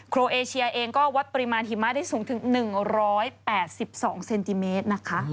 รเอเชียเองก็วัดปริมาณหิมะได้สูงถึง๑๘๒เซนติเมตรนะคะ